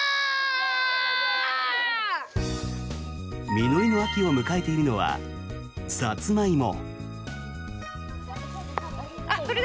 実りの秋を迎えているのはサツマイモ。